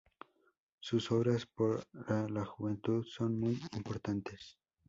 Sus obras para la juventud son muy importantes.